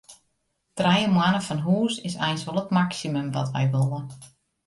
Trije moanne fan hús is eins wol it maksimum wat wy wolle.